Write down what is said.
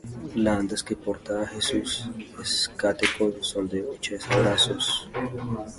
Las andas que portan a Jesús del Rescate son de ochenta brazos.